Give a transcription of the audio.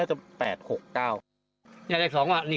๒๘๕ค่ะนี่อันนี้๒๘๕